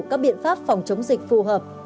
các biện pháp phòng chống dịch phù hợp